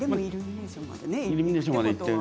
イルミネーションまで行っている。